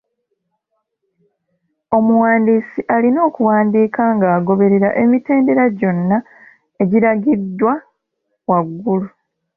Omuwandiisi alina okuwandiika ng'agoberera emitendera gyonna egiragiddwa waggulu.